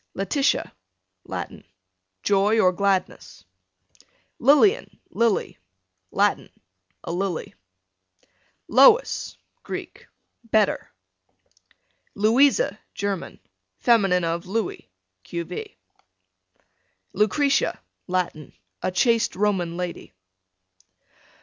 Letitia, Latin, joy or gladness. Lilian, Lily, Latin, a lily. Lois, Greek, better. Louisa, German. fem. of Louis, q.v. Lucretia, Latin, a chaste Roman lady.